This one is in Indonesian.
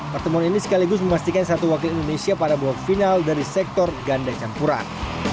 pertemuan ini sekaligus memastikan satu wakil indonesia pada babak final dari sektor ganda campuran